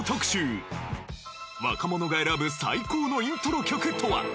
若者が選ぶ最高のイントロ曲とは？